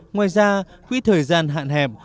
ngoài ra quý thời gian hạn hẹp